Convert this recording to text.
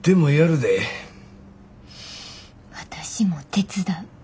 私も手伝う。